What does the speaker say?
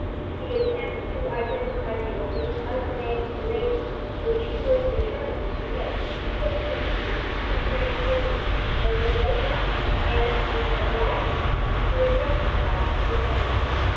The attempt to identify Geoffrey's unnamed "lady," which he was determined to make, would lead him to Craig Fernie, and would no doubt end in obliging him to address himself to Anne.